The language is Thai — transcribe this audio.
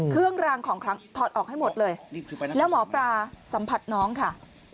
เครื่องรางของครั้งถอดออกให้หมดเลยแล้วหมอปลาสัมผัสน้องค่ะ